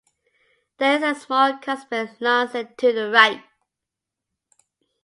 There is a small cusped lancet to the right.